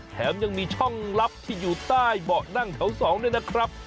แถมยังมีช่องลับที่อยู่ใต้เบาะนั่งแถว๒ด้วยนะครับ